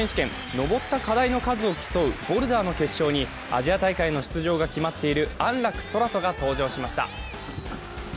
登った課題の数を競うボルダーの決勝にアジア大会の出場が決まっている安楽宙斗が登場しました。